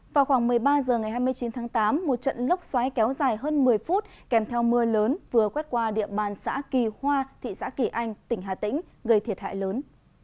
vào khoảng một mươi ba h ngày hai mươi chín tháng tám một trận lốc xoáy kéo dài hơn một mươi phút kèm theo mưa lớn vừa quét qua địa bàn xã kỳ hoa thị xã kỳ anh tỉnh hà tĩnh gây thiệt hại lớn